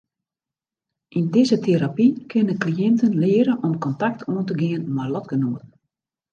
Yn dizze terapy kinne kliïnten leare om kontakt oan te gean mei lotgenoaten.